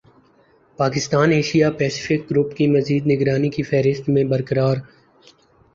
Pakistan Asia Pacific group کی مزید نگرانی کی فہرست میں برقرار